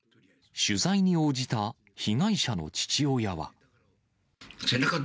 取材に応じた、被害者の父親背中